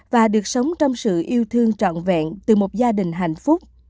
và được sống trong sự yêu thương trọn vẹn từ một gia đình hạnh phúc